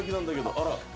あら。